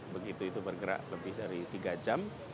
begitu itu bergerak lebih dari tiga jam